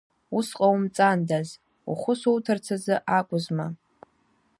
Ус ҟоумҵандаз, ухәы суҭарц азы акәызма…